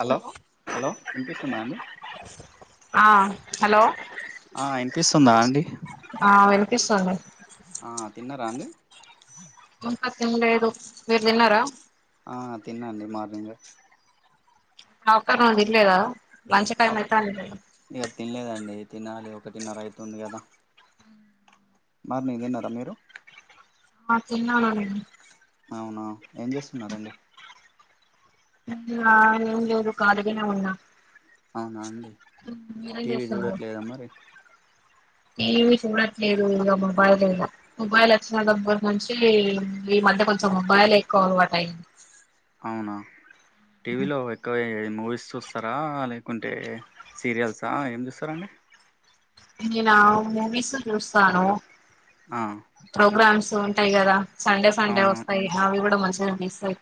Hello hello వినిపిస్తుంద అండి ఆ హలో ఆ ఇనిపిస్తుందా అండి ఆ వినిపిస్తోంది ఆ తిన్నారా అండి ఇంక తినలేదు మీరు తిన్నార ఆ తినండి మార్నింగే [unintelligible] మంచి టైమైతాందిలేదో ఇంగ తినలేదండి తినాలి ఒకటిన్నర అయితుంది కదా మార్నింగ్ తిన్నారా మీరు ఆ తిన్నానండి అవునా ఏం చేస్తున్నరండి ఇగా మీరు మేము ఖాళీగానే ఉన్నా అవునా అండి మీరేం టీవీ చేస్తున్నారు చూడట్లేదా మరి టీవీ చూడట్లేదు ఆ మొబైల్ లేగా మొబైల్ వచ్చిన దగ్గర నుంచి ఈ మధ్య కొంచెం మొబైల్ ఎక్కువ అలవాటు అయింది అవునా టీవీలో ఎక్కువే మూవీస్ చూస్త వస్తారా లేకుంటే సీరియల్సా ఏం చూస్తారాండి నీనా మూవీస్ చూస్తాను ఆ ప్రోగ్రామ్స్ ఉంటాయి కదా సండే సండే అవునవును వస్తాయి అవి కూడా మంచిగా కనిపిస్తాయి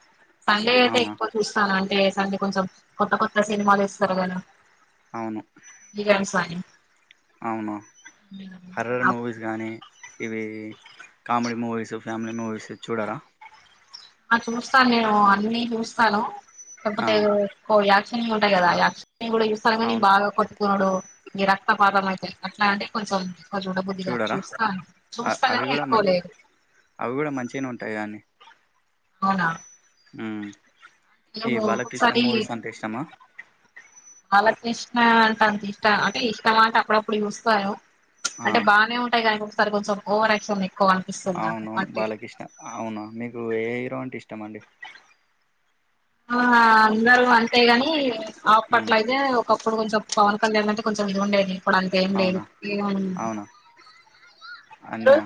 సండే అయితే అవునా ఎక్కువ చూస్తాను అంటే సండే కొంచెం కొత్త కొత్త సినిమాలు ఇస్తారు కదా అవును ఇగా అనుసని అవును హర్రర్ మూవీ కానీ ఇవి కామెడీ మూవీస్ ఫ్యామిలీ మూవీస్ చూడరా ఆ చూస్తాను నేను అన్ని చూస్తాను ఆ లేకపోతే ఓ యాక్షణ ఉంటయి కాద యాక్షణ కూడా చూస్తాను కానీ అవును బాగా కొటు వాడు ఈ రక్తపాతం అయిత అట్లా అంటే కొంచెం అది చూడ బుద్ధదిగా చూడరా చూస్తా అ చూస్తాను అవి కని కూడా మ ఎక్కువలేదు అవి కూడా మంచిగానే ఉంటాయి కానీ అవునా ఉ ఈ నేను బాలకృష్ణ ఒక్కొక్కసారి మూవీస్ అంటే ఇష్టమా బాలకృష్ణ అంటే అంత ఇష్టం అంటే ఇష్టంమా అంటే అప్పుడప్పుడు చూస్తాను ఆ అంటే బాగానే ఉంటాయి కానీక ఒకసారి కొంచెం ఓవర్ క్షన్ ఎక్కువ అనిపిస్తుంది నాకు అంతే అవును మీకు ఏ హీరో అంటే ఇష్టమండి ఆ అందరు అంతే గని ఉమ్ అప్పట్లో అయితే ఒక ఇప్పుడు కొంచం పవన్ కళ్యాణ్ అంట కొంచెం ఈది ఉండేది ఇప్పుడు అంతా ఏమీ లేదు అవునా ఫ్రీగా మీక అవునా అన్నా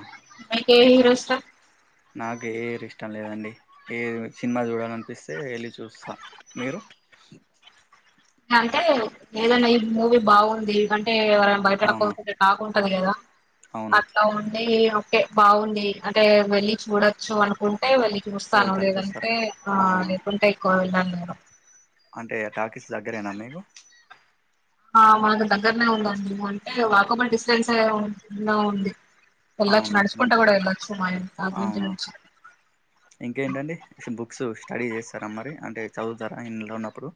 ఎ హీరో ఇష్టం నాకు ఏ హీరో ఇష్టం లేదండి ఏది సినిమా చూడాల అనిపిస్తే వెళ్ళి చూస్తా మీరు అంటే ఏదన్నా ఈ మూవీ బాగుందికంటే ఎవరైనా బయటోళ్లు అవునా పోతుంటే బాగుంటది కదా అవును అట్లా ఉండి ఓకే బాగుంది అంటే వెళ్లి చూడ సో అనుకుంటే వెళ్ళి చూస్తాను వెళ్తారు చూస్తారు లేదంటే ఆ అవునా లేకుంటే ఎక్కువ వెళ్ళాను నేను అంటే టాకీస్ దగ్గరేనా మీకు ఆ మనకు దగ్గరనే ఉందండి అంటే వాకబుల్ డిస్టెన్స్ ఉండే ఉంది వెళ్ళచ్చు అవునా నడుచుకుంటూ మంచిది కూడా వెళ్ళచ్చు మా ఇంటి కాడ అవునా నుంచి ఇంకేంటండి షూ బుక్స్ స్టడీ చేస్తారా మరి అంటే చదువుతారా ఇంట్లో ఉన్నప్పుడు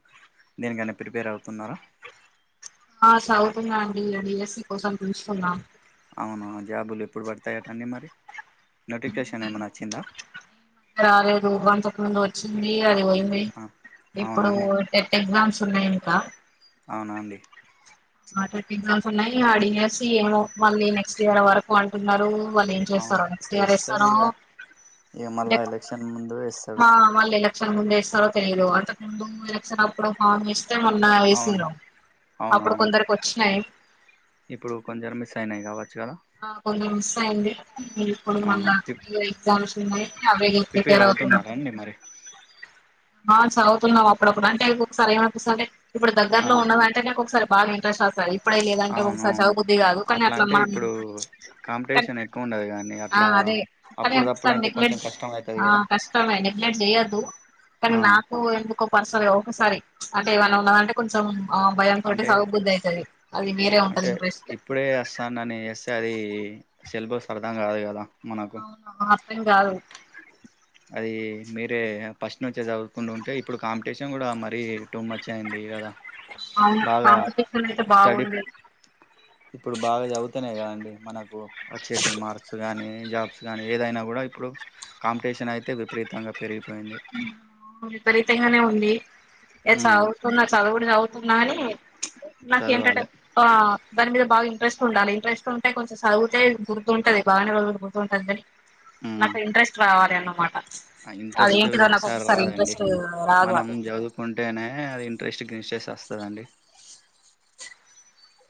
దీనికని అనా ప్రిపేర్ అవుతున్నారా ఆ చదువుతున అండి డిఎస్సి కోసం చూస్తున్న అవును జాబులు ఎప్పుడు పడతాయాటండి మరి నోటిఫికేషన్ ఏమైనా వచ్చిందా రాలేదు అంతకుముందు వచ్చింది అది పోయింది ఆ, అవునా ఇప్పుడు అండి ఎట్ ఎగ్జామ్స్ ఉన్నాయి ఇంకా అవునా అండి ఆటెక్ ఎగ్జామ్స్ ఉన్నాయి అడిగేసి ఏమో మళ్ళీ నెక్స్ట్ ఇయర్ వరకు అంటున్నారు వాళు ఏం అవును చేస్తారో నెక్స్యర్ వేస్తారో లేక ఈ సార్ ముందుగా ఇస్తారు ఆ వాళ్ళు ఎలక్షన్ ముందేస్తారో తెలీదు అంతకు ముందు ఎలక్షన్ అప్పుడు హామ్ వేస్ అయితే మొన్న అవును వేసిరు అప్పుడు అవునవును కొందరికొచ్చినాయ్ ఇప్పుడు కొంచెరం మిస్ అయినాయి కావచ్చు కదా ఆ కొంచం మిస్ అయింది ఇప్పుడు అవునా మళ్ళా ప్రి ఎగ్జామ్స్ ఉన్నాయి అవే ప్రిపేర్ అవుతునా అవుతున్నారా అండి మరి ఆ చదువుతున్నామప్పుడప్పుడు అంటే ఒకొకసారి ఏమపిస్తుంటే ఇప్పుడు ఆ దగ్గరలో ఉన్నదం అంటనే ఒకసారి బాగా ఇంట్రెస్ట్ వస్తది ఇప్పుడే లేదంటే అవును ఒకసారి చదువ బుద్ది కాదు కానీ అట్లా అంటే మనం ఇప్పుడు కాంపిటీషన్ ఎక్కువ ఉండదు కానీ అట్లా అరే అప్పుడుదప్పుడు ఒకసారి అంటే కొంచెం నెగ్లెక్ట్ కష్టం అవుతుంది ఆ కదా కష్టమే నెగ్లెక్ట్ చెయ్యద్దు కానీ ఆ నా ఎందుకో ఎందుకో పర్సర ఒకసారి అంటే ఏమైనా ఉన్నాదంటే కొంచెం భయంతోటి అంటే సదబుద్ధి అయితది అది మీరే ఉంటది అంటే ఇంట్రెస్ట్ ఇప్పుడే వస్తానని చేస్తే అది సిలబస్ అర్థం కాదు కదా మనకు ఆ అర్థం కాదు అది మీరే ఫస్ట్ నుచ్చే చదువుకుంటూ ఉంటే ఇప్పుడు కాంపిటీషన్ కూడా మరీ టూమచ్ అయింది గదా. అవును కాంపిటేషన్ [inaudible] బాగుండేది ఇప్పుడు బాగ చదువుతేనే కదండి మనకు వచ్చేటి మార్క్స్ కానీ జాబ్స్ కానీ ఏదైనా కూడా ఇప్పుడు కాం పిటీషన్ అయితే విపరీతంగా పెరిగ్ విపరీతంగానే ఉంది ఏ ఉమ్ చదువుతున్నా చదువునే చవు న్నాని నాకేంటటే చదవాలి ఆ దాని మీద బాగా ఇంట్రెస్ట్ ఉండాలి ఇంట్రెస్ట్ ఉంటే కొంచెం చదివుతే గుర్తు ఉంటది బాగానే గుర్తుంటుందని. ఉమ్ నాకు ఇంట్రెస్ట్ రావాలి అన్నమాట ఆ ఇంట్రెస్ట్ అదేంటిదో నాకు ఒకసారి రాదండి ఇంట్రెస్ట్ రాదు అ మనం చదువ్ ఉంటేనే అది ఇంట్రెస్ట్ [unintelligible] వస్తదండి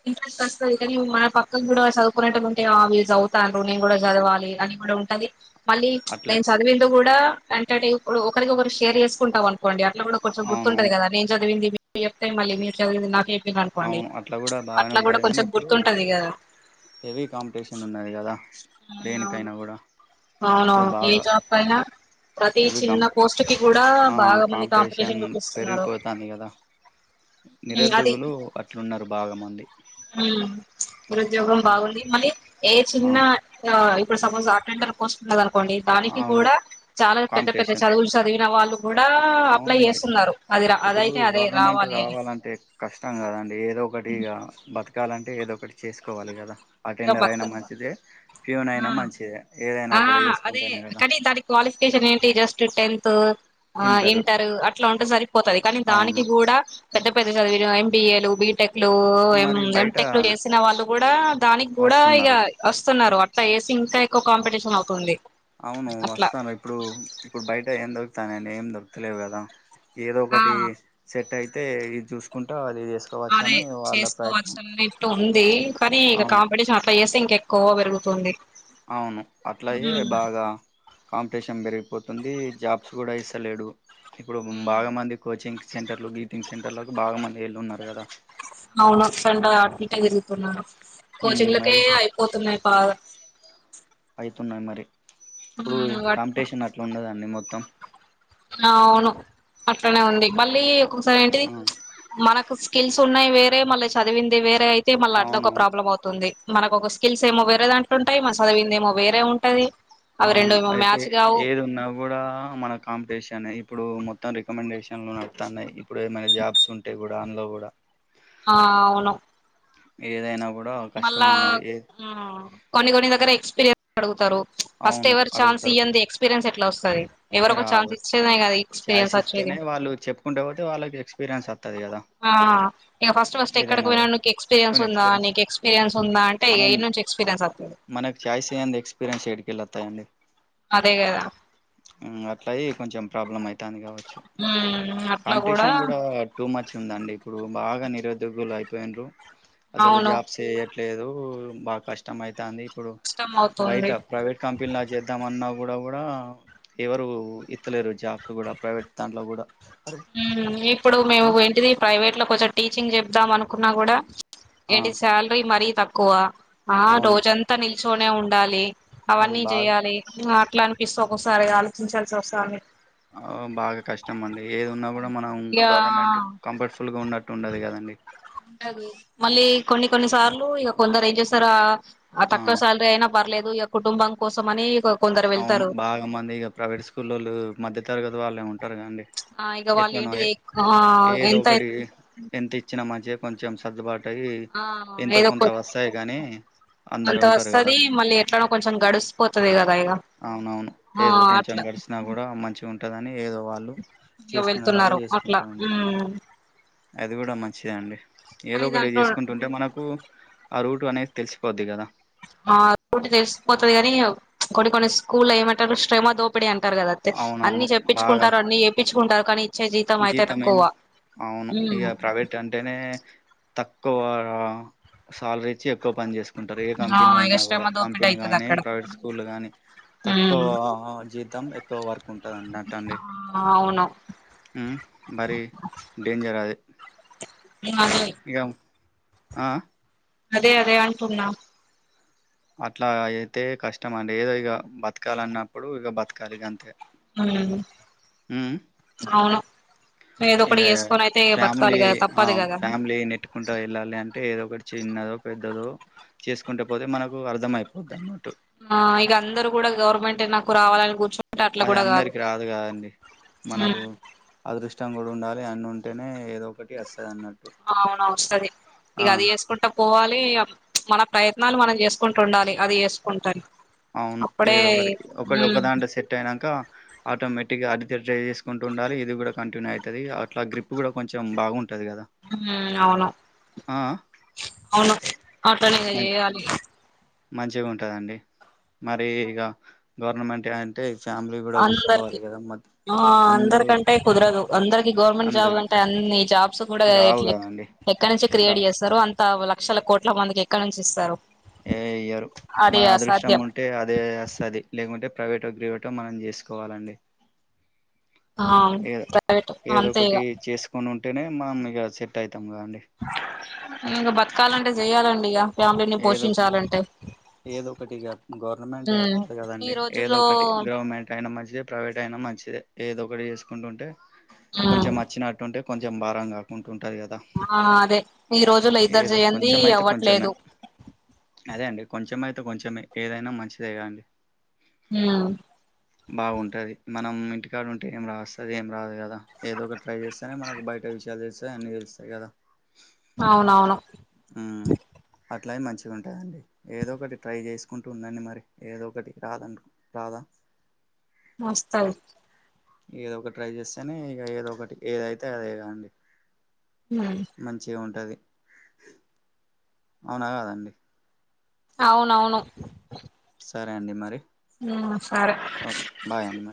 ఇంట్రెస్ట్ వస్తుంది కానీ మన పక్కన కూడా చదువుకునేటోల్లుంటే ఆ వీళ్లు చదువుతారు నేను కూడా చదవాలి అని కూడా ఉ ది మళ్ళీ అట్లే నేను చదివింది కూడా అంటే ఇప్పుడు ఒకరికొకరు షేర్ చేసుకుంటామనుకోండి ఇలా కూడా కొంచెం అవును గుర్తుంటది కదా నే చదివింది మీరు చెప్తే మళ్ళీ మీరు చదివింది నాకు చెప్పారు అనుకోండి అవును అట్లా కూడా బాగనే ఉంటది కానీ ఇప్పుడు ఇగ హెవీ కాంపిటీషన్ ఉన్నది కదా అవును దేనికైనా గుడా అప్పుడు అవునవును ఏ బాగా జాబ్ కైనా ప్రతి హెవీ చిన్న కాంపి పోస్ట్ కి కూడా ఆ బాగా మంది కాంపిటీషన్ చూపిస్తున్నారు పెరిగిపోతంది గదా నిరుద్యోగులు అట్లున్నరు బాగా మంది మ్మ్ నిరుద్యోగం బాగుంది మళ్ళీ ఏ ఆ చిన్న ఆ ఇప్పుడు సపోజ్ అటెండర్ పోస్ట్ ఉంది కద కోండి దానికి అవును కూడా చాలా పెద్ద పెద్ద కాంపిటీషన్ చదువులు చదివిన వాళ్ళు కూడా అవును అప్లై మరి చేస్తున్నారు అది అదయితే అదే రావాలి అని అంటే కష్టం కదండి ఏదో ఒకటి ఇగ బతకాలంటే ఏదో ఒకటి చేసుకోవాలి కదా ఇగ అటెండర్ బతుక అయినా మంచిదే ఫ్యూన్ ఆ అయినా మంచిదే ఏదైనా ఆ, ఒకటి అదే చేసుకుంటేనే గదా కానీ దాని క్వాలిఫికేషన్ ఏంటి జస్ట్ టెంత్ ఆ ఇంటరు అట్లా ఉంటే సరిపోతది కానీ దానికి అవును కూడా పెద్ద పెద్ద కదురు ఎం బి ఏ లు, బీ టె క్లు, మరి ఏం బయట టె క్లు చేసిన వాళ్ళు కూడా దానిక్ కూడా ఇగ వస్తున్నారు వస్తున్నారు అట్లా వేసి ఇంకా ఎక్కువ కాంపిటీషన్ అవుతుంది అట్లా ఆ ఇప్పుడు ఇప్పుడు బయట ఏం దొరుకుతానండి ఏం దొరుకుతలేవు కదా ఏదో ఆ ఒకటి సెట్ అయి తే ఇది చూసుకుంటా అది చేసుకోవచ్చు అని వాళ్ళ ప్రయత్నం తుంది కానీ ఇక అవును కాంపిటీషన్ అట్లా చేస్తే ఇంక ఎక్కువ పెరుగుతుంది అవును అట్లాగే బాగా కాంపిటీషన్ పెరిగిపోతుంది జాబ్స్ కూడా ఇస్తలేడు ఇప్పుడు బాగా మంది కోచింగ్ సెంటర్లు గీటింగ్ సెంటర్లకు బాగా మంది వెళ్ళున్నారు కదా అవును సండ అటు ఇటే తిరుగుతున్నారు ఉమ్, కోచింగ్‌లకే మరి అయిపోతున్నాయి బాగా అయితున్నాయి మరి ఇప్పుడు ఉమ్ అట్ కాంపిటీషన్ అట్లా ఉన్నదండి మొత్తం అవును అట్లనే ఉంది మళ్ళీ ఒక్కొక్కసారి ఏంటిది మనకు స్కిల్స్ ఉన్నాయి వేరే మళ్ళీ చదివింది వేరే అయితే మళ్ళా అట్లా ఒక అవునవును ప్రాబ్లం అవుతుంది మనకు ఒక స్కిల్స్ ఏమో వేరే దాంట్లో ఉంటాయి మన సదివింది ఏమో వేరే ఉంటది అవి అవును రెండు ఏమో అయితే మ్యాచ్ కావు ఏది ఉన్నా కూడా మన కాంపిటీషనే ఇప్పుడు మొత్తం రికమండేషన్లు నడుతన్నాయి ఇప్పుడు ఏమైనా జాబ్స్ ఉంటే కూడా అందులో కూడా ఆ అవును ఏదైనా గూడా మళ్ళా ఉమ్ కొన్ని కొన్ని దగ్గర ఎక్స్పీరియన్స్ అడుగుతారు ఫస్ట్ అవును ఎవరు ఛాన్స్ అడుగుతారు ఇయ్యందే ఎక్స్పీరియన్స్ ఎట్లా వస్తాది ఎవరో ఒక ఛన్స్ ఇస్తేనే కదా ఎక్స్పీరియన్స్ వచ్చేది వాళ్లు చె కుంటా పోతే వాళ్లకి ఎక్స్పీరియన్స్ వత్తది కదా ఆ ఇగ ఫస్ట్ ఫస్ట్ ఎక్కడికి ఏదైనా పోయిన కూడా నీకు ఎక్స్పీరియన్ మన ఉందా ఎక్స్పీరియన్స్ నీకు ఎక్పీరియన్స్ ఉందా అంటే మనం ఏయినుంచి ఎక్స్పీరియన్స్ వత్తది మనకు ఛాయిస్ ఇయ్యందే ఎక్స్పీరియన్స్ ఏడికేళ్లి వత్తయండి అదే కదా ఉమ్మ్ అట్లాయి కొంచెం ప్రాబ్లం అయితంది కావచ్చు ఉమ్ అట్లా కాంపిటీషన్ కూడా టూ మచ్ ఉందండి ఇప్పుడు బాగా నిరుద్యోగులు అయిపోయిండ్రు అసలు అవును జాబ్సే ట్లేదు బాగా కష్టం అయితంది ఇప్పుడు కష్టం బయట అవుతుంది ప్రైవేట్ కంపెనీలా చేద్దామన్నా కూడా కూడా ఎవరు ఇత్తలేరు జాబ్స్ కూడా ప్రైవేట్ దాంట్లో కూడా అరే ఉమ్మ్ ఇప్పుడు మేము ఆ ఏంటిది ప్రైవేట్‌లో కొంచెం టీచింగ్ చెప్దాం అనుకున్నా కూడా ఆ ఏంటి సాలరి మరీ తక్కువ ఆ అవును రోజంతా నిల్చొనే ఉండాలి అది అవన్నీ బాగా చేయాలి ఇంగ అట్లా అనిపిస్తే ఒక్కోసారి ఆలోచించాల్సి వస్తాంది ఆ బాగా కష్టం అండి ఏది ఉన్న కూడా మనం ఇగ గవర్నమెంట్ కంఫర్ట్ఫూల్‌గా ఉన్న ట్టు ఉండదు కదండి ఉంటది మళ్ళీ కొన్ని కొన్ని సార్లు ఇగ కొందరు ఏం చేస్తారా ఆ తక్కువ శాలరీ అయినా పర్లేదు ఇగ కుటుంబం కోసం అని కొందరు అవును వెళ్తారు బాగా మంది ఇగ ప్రైవేట్ స్కూల్లోళ్ళు మధ్య తరగతి వాళ్ళే ఉంటారుగా అండి ఆ ఇక వాళ్ళు ఎట్లనోఎ ఏంటిది ఆ ఏదో ఎంత ఒకటియే ఏం తిచ్చిన మంచిగా కొంచెం సర్దుబా టయి ఆ ఎంతో ఏదో కొంత వస్తాయి కానీ అందరు ఉంటారు కదా ఎట్లనో కొంచెం గడిసిపోతది కదా ఇగ అవునవును ఏదో కొంచెం గడిసిన కూడా మంచిగా ఉంటదని ఏదో వాళ్ళు ఇక చేసుకునే వాళ్ళు వెళ్తున్నారు అట్లా చేసుకుంటున్నారు అది కూడా మంచిదే అండి ఏదో కానీ ఒకటి దాంట్లో చేసుకుంటుంటే మనకు ఆ రూటు అనేది తెలిసిపోద్ది కదా మార్పు ఉంటే తెలిసిపోతది కాని కొన్ని కొన్ని స్కూల్ ఏమంటారు శ్రమ తో ఇప్పుడే అంటారు కదాతే అన్ని అవునవును చెప్పించుకుంటారు అన్ని ఏయిపిచ్చుకుంటారు కానీ ఇచ్చే జీతం అయితే జీత మేము తక్కువ అవును ఇగ ఉమ్ ప్రైవేట్ తంటేనె తక్కువ శలరీచ్చి ఎక్కువ పనిచేస్ కుంటారు ఏ ఆ కంపెనీలో ఇగ అన్నా కూడా శ్రమ దోపిడీ కంపెనీ అయితది కానీ, అక్కడ ప్రైవేట్ స్కూళ్ళ కానీ తక్కువ ఉమ్ జీతం ఎక్కువ వర్క్ ఉంటందిండి అట ఆ అండి అవును ఉమ్, మరి డేంజర్ ఈ మాదిరే ఇగం ఆ అదే అదే అంటున్నా అట్లా అయితే కష్టం అండి ఏదో ఇగ బతకాల అన్నప్పుడు ఇగ బతకాలి ఇగ గంతే మ్ అవును ఏదో ఒకటి ఇగయా చేసుకొని అయితే ఫ్యామిలీ బతకాలి కదా ఆ తప్పదు కదా ఫ్యామిలీ నెట్ కుంటా వెళ్ళాలి అంటే ఏదో ఒకటి చిన్నదో, పెద్దదో చేసుకుంటే పోతే మనం ఓ అర్థమయిపోద్ది అన్నట్టు ఆ ఇగ అందరు కూడా గవర్నమెంట్ నాకు రావాలని కూర్చు అది అందరికి రాదు కదండి మనకు ఉమ్ అదృష్టం కూడా ఉండాలి అన్ని ఉంటేనే ఏదో ఒకటి వస్తది అన్నట్టు అవున వస్తది ఇగ ఆ అది చేసుకుంటా పోవాలి మన ప్రయత్నాలు మనం చేసుకుంటూ ఉండాలి అది చేసుకుంటని అవును ఏదొ ఒకటి ఒకటి ఒకదాంటే సెట్ అయినాక ఆటోమేటిక్గా అడి ట్రై చేసుకుంటూ ఉండాలి. ఇది కూడా కంటిన్యూ అయితుంది అట్లా గ్రిప్ కూడా కొంచెం బాగుంటుంది కదా మ్ అవును ఆ అవును అట్లానే మ చేయాలి మంచిగా ఉంటదండి మరి ఇగ గవర్నమెంట్ అంటే ఫ్యామిలీ కూడా అందరికి చూసుకోవాలి కదా మ ఆ అందరూ అందరికంటే కుదరదు అందరికి గవర్నమెంట్ జాబ్ అందరికి అంటే అన్ని జాబ్స్ కూడా రావు కదండి ఎక్కడ నుంచే రా క్రియేట్ చేస్తారు అంతా లక్షల కోట్ల మందికి ఎక్కడ నుంచి ఇస్తారు. ఏ అయ్యరు అది మ అదృష్టం అసాధ్యం ఉంట టే అదే అస్తది లేకుంటే ప్రైవేట్, గ్రవేట్ మనం చేసుకోవాలండి. ఆ ఏ ప్రైవేట్ ఏద అంతే ఇగ ఒకటి చేసుకొని ఉంటేనే మామీగా సెట్ అవుతాం కద అండి. ఇంకా బతకాలంటే చెయాలండి ఇగ ఫ్యామిలీని పోషించాలంటే? ఏదొ ఒకటిగా గవర్నమెంట్ ఉమ్ రాదు ఈ కదండి ఏదో రోజుల్లో ఒకటి గవర్నమెంట్ అయిన మధ్య ప్రైవేట్ అయినా మంచిదే ఏదో ఒకటి చేసుకుంటుంటే ఉమ్ కొంచెం వచ్చిన టుంటే కొంచెం భారం కాకుంటు ఉంటాది కదా ఆ అదే ఈ రోజులు ఇద్దరు ఏదో చేయంది కొంచెం అయితే కొంచెమే అవ్వట్లేదు. అదే అండి కొంచెం అయితే కొంచెం ఏదైనా మంచిదేగా అండి. హ బావుంటది మనం ఇంటికాడ ఉంటే ఏం రాస్తుంది ఏం రాదు కదా ఏదో ఒక ట్రై చేస్త అయిన మనకు బయట విషయాలు తెలుస్తాయి అన్ని తెలుస్తాయి కదా. అవునవును ఆ అట్లాగ మంచిగా ఉంటుందండి ఏదో ఒకటి ట్రై చేసుకుంటూ ఉందండి మరి ఏదో ఒకటి రాదనుకు రాదా వస్తాయి ఏదో ఒకటి ట్రై చేస్తేనే ఇక ఏదో ఒకటి ఏదైతే అదే కా అండి. హ మంచిగా ఉంటుంది అవునా కాదండి అవునవును సరే అండి మరి ఉమ్ సరే ఓకే బాయ్ అండి